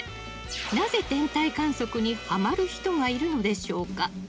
なぜ、天体観測にハマる人がいるのでしょうか。